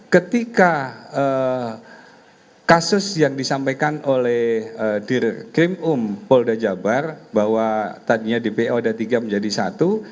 ketika kasus yang disampaikan oleh dir krim um polda jabar bahwa tadinya dpo ada tiga menjadi satu